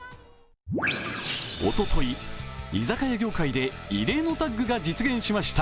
おととい、居酒屋業界で異例のタッグが実現しました。